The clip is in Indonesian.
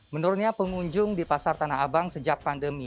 menurutnya pengunjung di pasar tanah abang sejak pandemi